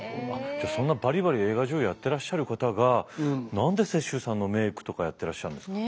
じゃあそんなバリバリ映画女優やってらっしゃる方が何で雪洲さんのメークとかやってらっしゃるんですか？